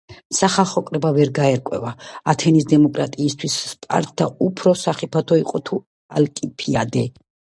სახალხო კრება ვერ გაერკვა, ათენის დემოკრატიისთვის სპარტა უფრო სახიფათო იყო, თუ ალკიბიადე.